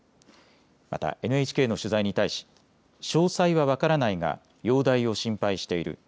またＮＨＫの取材に対し詳細は分からないが容体を心配している。